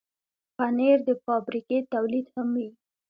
پنېر د فابریکې تولید هم وي.